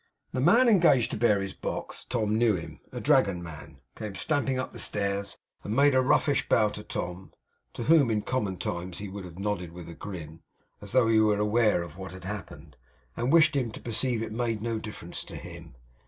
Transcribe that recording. The man engaged to bear his box Tom knew him well: a Dragon man came stamping up the stairs, and made a roughish bow to Tom (to whom in common times he would have nodded with a grin) as though he were aware of what had happened, and wished him to perceive it made no difference to HIM.